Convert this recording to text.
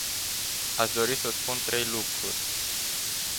Aș dori să spun trei lucruri.